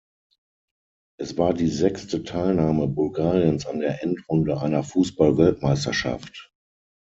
Es war die sechste Teilnahme Bulgariens an der Endrunde einer Fußball-Weltmeisterschaft.